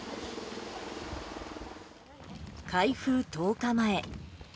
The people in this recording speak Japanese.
開封１０日前。